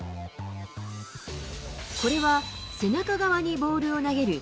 これは背中側にボールを投げる